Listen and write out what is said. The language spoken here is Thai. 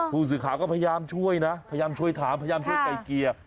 ผู้สื่อข่าวก็พยายามช่วยนะพยายามช่วยถามพยายามช่วยไก่เกลี่ย